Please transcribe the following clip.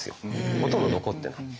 ほとんど残ってない。